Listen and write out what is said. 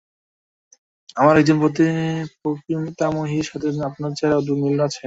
আমার একজন প্রপিতামহীর সাথে আপনার চেহারার অদ্ভুত মিল আছে।